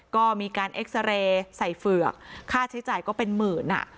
ก็มีการเอ็กซาเรย์ใส่เฝือกค่าใช้จ่ายก็เป็นหมื่นอ่ะ